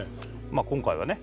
今回はね